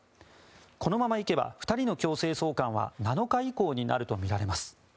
このままいけば２人の強制送還は７日以降になるとみられます。